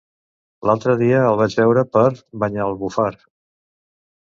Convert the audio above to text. L'altre dia el vaig veure per Banyalbufar.